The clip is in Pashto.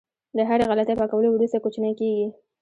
د هرې غلطۍ پاکولو وروسته کوچنی کېږي.